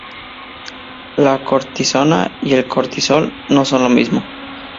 La cortisona y el cortisol no son lo mismo.